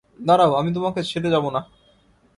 দাঁড়াও, আমি তোমাকে ছেড়ে যাব না।